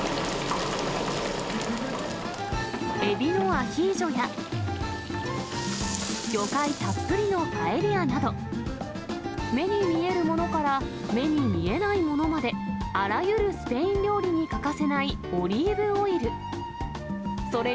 エビのアヒージョや、魚介たっぷりのパエリアなど、目に見えるものから目に見えないものまで、あらゆるスペイン料理に欠かせないオリーブオイル。